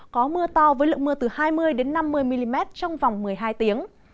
có mưa to với lượng mưa từ hai mươi năm mươi mm trong vòng một mươi hai tiếng